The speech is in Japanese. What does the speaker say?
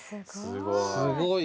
すごい。